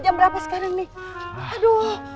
jam berapa sekarang nih